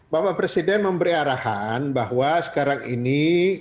bapak presiden memberi arahan bahwa sekarang ini